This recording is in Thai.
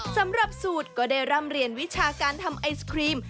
สำหรับสูตรก็ได้ร่ำเรียนวิชาการทำไอศครีม